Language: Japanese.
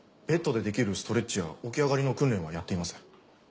ベッドでできるストレッチや起き上がりの訓練はやっています。